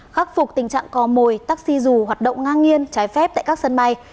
khắc phục tình trạng co mồi taxi dù hoạt động ngang nhiên trái phép tại các sân bay